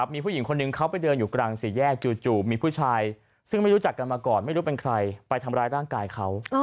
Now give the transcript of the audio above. มีผู้หญิงคนหนึ่งเขาไปเดินอยู่กลางสี่แยกจู่มีผู้ชายซึ่งไม่รู้จักกันมาก่อนไม่รู้เป็นใครไปทำร้ายร่างกายเขา